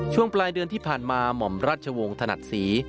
ช่วงปลายเดือนที่ผ่านมาหม่อมราชวงศ์ถนัดศรี